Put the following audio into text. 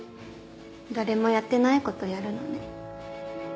誰もやってない事をやるのね。